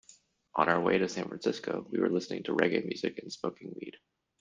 On our way to San Francisco, we were listening to reggae music and smoking weed.